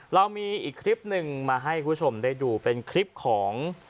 เรามีอีกคลิปหนึ่งมาให้คุณผู้ชมได้ดูเป็นคลิปของ